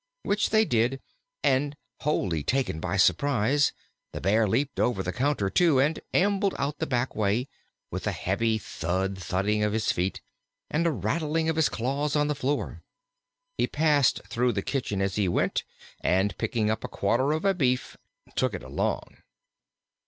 Which they did, and, wholly taken by surprise, the Bear leaped over the counter too, and ambled out the back way, with a heavy thud thudding of his feet, and a rattling of his claws on the floor. He passed through the kitchen as he went, and, picking up a quarter of beef, took it along.